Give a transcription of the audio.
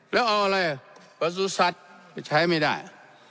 แล้วเอาอะไรประสุทธิ์สัตว์ใช้ไม่ได้